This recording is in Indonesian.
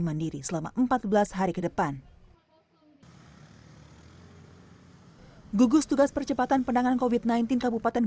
mandiri selama empat belas hari ke depan gugus tugas percepatan penanganan covid sembilan belas kabupaten